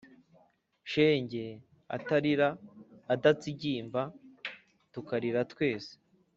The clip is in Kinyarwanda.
shenge atarira, adatsigimba tukarira twese